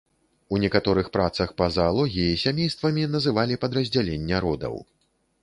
У некаторых працах па заалогіі сямействамі называлі падраздзялення родаў.